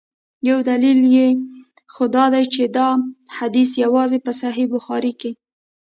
یو دلیل یې خو دا دی چي دا حدیث یوازي په صحیح بخاري کي.